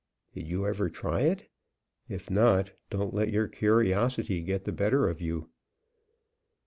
Did you ever try it? If not, don't let your curiosity get the better of you.